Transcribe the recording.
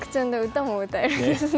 歌も歌えるんですね。